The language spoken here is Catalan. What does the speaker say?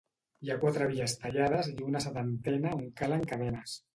Hi ha quatre vies tallades i una setantena on calen cadenes.